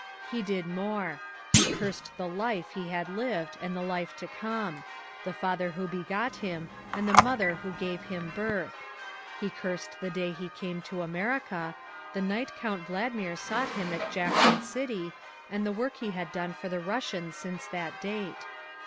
He did more. He cursed the life he had lived and the life to come; the father who begot him and the mother who gave him birth. He cursed the day he came to America, the night Count Valdmir sought him at Jackson City, and the work he had done for the Russian since that date.